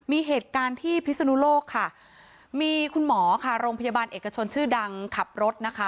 มีเหตุการณ์ที่พิศนุโลกค่ะมีคุณหมอค่ะโรงพยาบาลเอกชนชื่อดังขับรถนะคะ